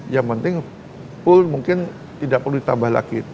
yang penting full mungkin tidak perlu ditambah lagi